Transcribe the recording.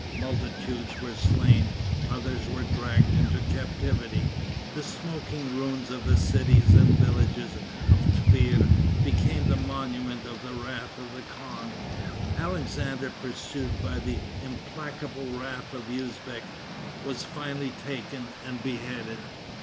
Multitudes were slain. Others were dragged into captivity. The smoking ruins of the cities and villages of Tver became the monument of the wrath of the khan. Alexander, pursued by the implacable wrath of Usbeck, was finally taken and beheaded.